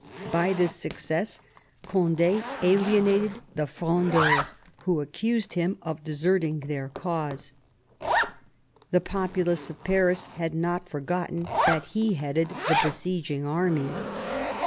By this success Gond6 alienated the Frondeurs, who accused him of deserting their cause. The populace of Paris had not forgotten that he headed 80 MAZARIN chap. the besieging army.